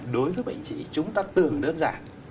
đối với bệnh trĩ chúng ta tưởng đơn giản